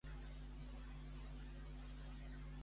Què pensava María Luisa de les feministes d'Espanya?